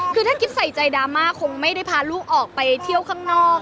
คือถ้ากิ๊บใส่ใจดราม่าคงไม่ได้พาลูกออกไปเที่ยวข้างนอก